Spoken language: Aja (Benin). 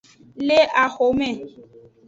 Le axome.